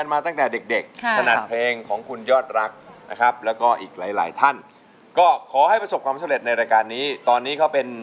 เรามาเริ่มเล่นเกมกันดีกว่าเพราะว่าตอนนี้